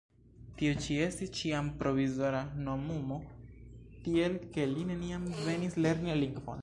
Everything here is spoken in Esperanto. Tiu ĉi estis ĉiam "provizora" nomumo, tiel ke li neniam venis lerni la lingvon.